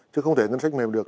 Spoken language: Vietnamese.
chứ không thể ngân sách mềm được